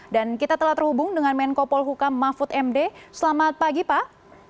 dan kita telah terhubung dengan menko polhuka mahfud md selamat pagi pak